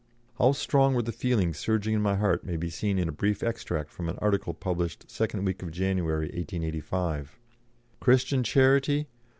How strong were the feelings surging in my heart may be seen in a brief extract from an article published second week of January, 1885: "Christian charity?